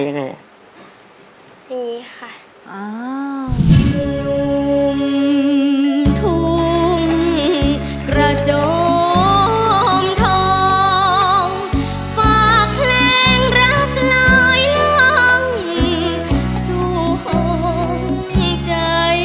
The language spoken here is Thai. อย่างนี้ค่ะ